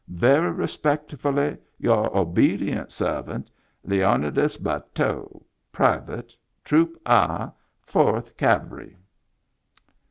" Very respectfully, your obedient servant, " Leonidas Bateau, Private, Troop I, 4th Cav'y."